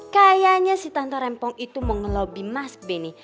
kayaknya si tante rempong itu mau ngelobi mas benny